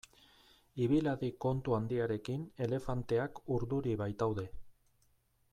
Ibil hadi kontu handiarekin elefanteak urduri baitaude.